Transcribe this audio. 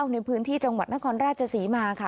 ในพื้นที่จังหวัดนครราชศรีมาค่ะ